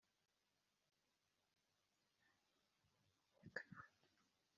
Abanyarwanda bashegeshwe n’amacakubiri kuva mu gihe cy’ubukoroni